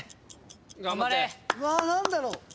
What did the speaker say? うわ何だろう。